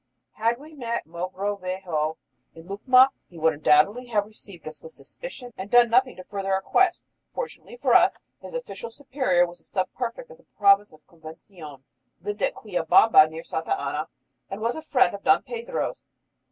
Had we first met Mogrovejo in Lucma he would undoubtedly have received us with suspicion and done nothing to further our quest. Fortunately for us, his official superior was the sub prefect of the province of Convención, lived at Quillabamba near Santa Ana, and was a friend of Don Pedro's.